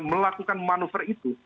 melakukan manuver itu